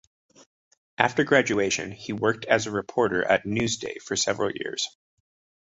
After graduation, he worked as a reporter at "Newsday" for several years.